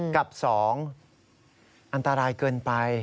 กับ๒อันตรายเกินไป